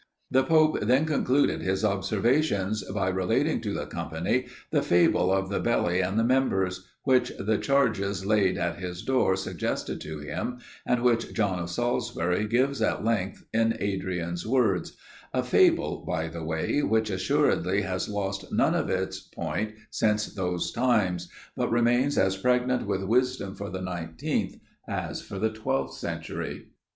The pope then concluded his observations, by relating to the company, the fable of the Belly and the Members, which the charges laid at his door suggested to him, and which John of Salisbury gives at length in Adrian's words; a fable, by the way, which assuredly has lost none of its point since those times, but remains as pregnant with wisdom for the nineteenth, as for the twelfth century.